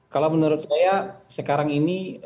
kalau menurut saya sekarang ini